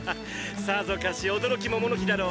さぞかし驚き桃の木だろう！